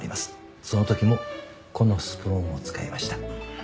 その時もこのスプーンを使いました。